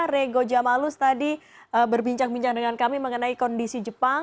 rego jamalus tadi berbincang bincang dengan kami mengenai kondisi jepang